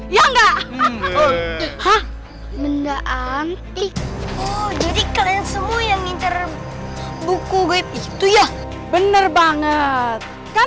ya enggak hah benda antik jadi kalian semua yang interm buku guide itu ya bener banget kan